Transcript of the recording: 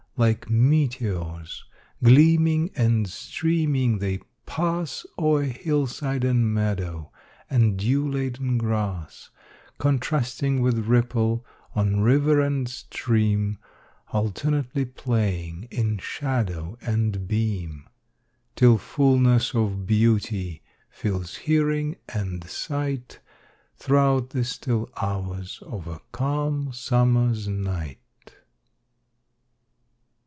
Like meteors, gleaming and streaming, they pass O'er hillside and meadow, and dew laden grass, Contrasting with ripple on river and stream, Alternately playing in shadow and beam, Till fullness of beauty fills hearing and sight Throughout the still hours of a calm summer's night.